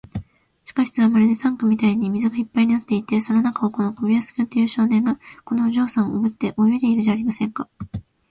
地下室はまるでタンクみたいに水がいっぱいになっていて、その中を、この小林君という少年が、小さいお嬢さんをおぶって泳いでいるじゃありませんか。